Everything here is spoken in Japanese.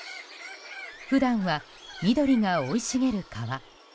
普段は、緑が生い茂る川。